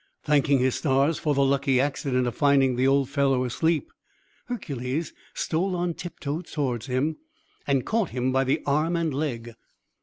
Thanking his stars for the lucky accident of finding the old fellow asleep, Hercules stole on tiptoe toward him, and caught him by the arm and leg.